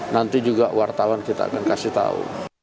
nanti juga wartawan kita akan kasih tahu